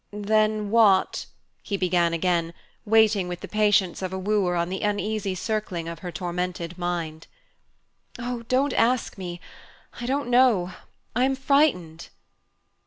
"Then what ?" he began again, waiting with the patience of a wooer on the uneasy circling of her tormented mind. "Oh, don't ask me; I don't know; I am frightened."